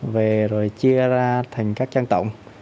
về rồi chia ra thành các trang tổng